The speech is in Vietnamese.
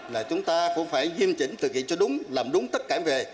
là chúng ta cũng phải nghiêm chỉnh thực hiện cho đúng làm đúng tất cả về